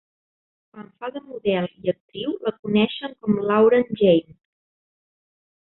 Quan fa de model i actriu, la coneixen com Lauren James.